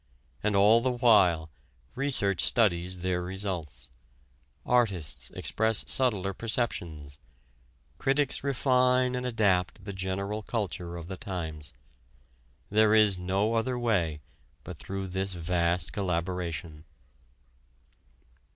And all the while, research studies their results, artists express subtler perceptions, critics refine and adapt the general culture of the times. There is no other way but through this vast collaboration.